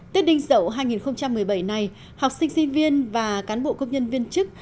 tết đinh dậu hai nghìn một mươi bảy này học sinh sinh viên và cán bộ công nhân viên chức